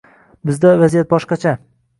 Bizda vaziyat boshqacha: